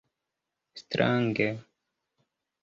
Strange?